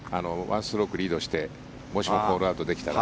１ストロークリードしてもしも、ホールアウトできたら。